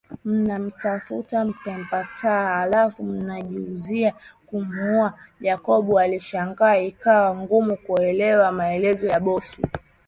Mnamtafutammepatahalafu mnajizuia kumuua Jacob alishangaa ikawa ngumu kuelewa maelezo ya bosi wake